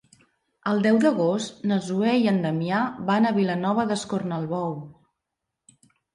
El deu d'agost na Zoè i en Damià van a Vilanova d'Escornalbou.